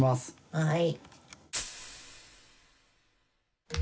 はい。